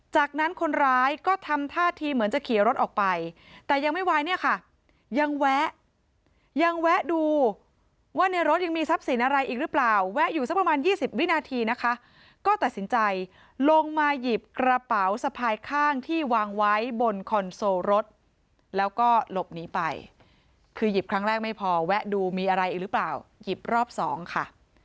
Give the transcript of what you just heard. จากนั้นคนร้ายก็ทำท่าทีเหมือนจะขี่รถออกไปแต่ยังไม่ไหวนี่ค่ะยังแวะยังแวะดูว่าในรถยังมีทรัพย์สินอะไรอีกหรือเปล่าแวะอยู่สักประมาณ๒๐วินาทีนะคะ